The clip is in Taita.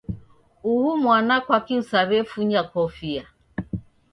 Uhu mwana kwakii usew'efunya kofia?